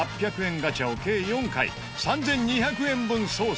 ガチャを計４回３２００円分捜査。